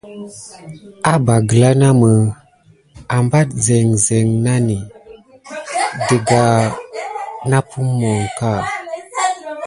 Aba gǝla namǝ, ah pan zin zin nanǝ, digga nadan nampumo ǝnka.